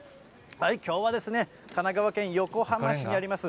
きょうはですね、神奈川県横浜市にあります